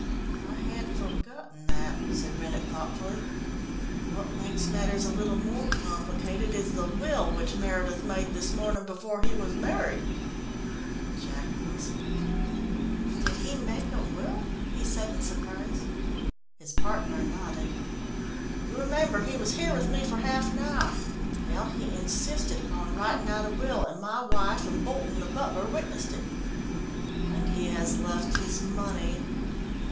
"I had forgotten that," said Rennett thoughtfully. "What makes matters a little more complicated, is the will which Meredith made this morning before he was married." Jack whistled. "Did he make a will?" he said in surprise. His partner nodded. "You remember he was here with me for half an hour. Well, he insisted upon writing out a will and my wife and Bolton, the butler, witnessed it." "And he has left his money